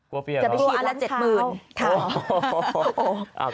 กลัวเปลี่ยนเหรอกลัวอันละ๗หมื่นขาวเหรอ